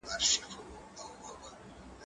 کېدای سي خواړه خراب وي!.